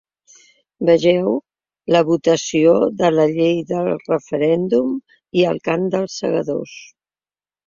Vegeu la votació de la llei del referèndum i el cant de ‘Els segadors’